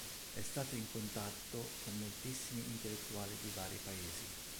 È stato in contatto con moltissimi intellettuali di vari paesi.